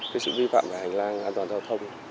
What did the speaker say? cái sự vi phạm về hành lang an toàn giao thông